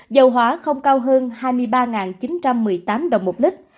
dầu hóa không cao hơn hai mươi ba chín trăm một mươi tám đồng một lít